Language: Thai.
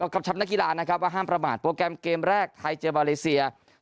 กำชับนักกีฬานะครับว่าห้ามประมาทโปรแกรมเกมแรกไทยเจอมาเลเซีย